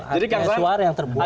ada suara yang terbuang